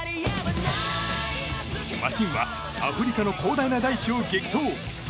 マシンはアフリカの広大な大地を激走。